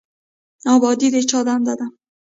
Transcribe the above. ابادي د چا دنده ده؟